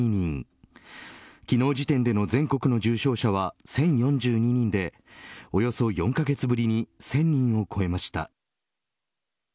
昨日時点での全国の重症者は１０４２人でおよそ４カ月ぶりに１０００人を超えました。